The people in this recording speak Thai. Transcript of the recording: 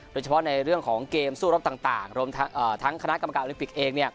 โดยเฉพาะในเรื่องของเกมสู้รบต่างรวมทั้งคณะกรรมการโอลิมปิกเอง